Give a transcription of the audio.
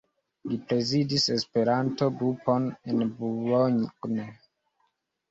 Li prezidis Esperanto-grupon en Boulogne.